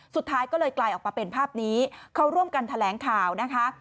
สุดท้ายก็เลยกลายออกมาเป็นภาพนี้เขาร่วมกันแถลงข่าวนะคะ